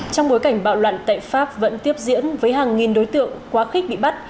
trong bối cảnh bạo loạn tại pháp vẫn tiếp diễn với hàng nghìn đối tượng quá khích bị bắt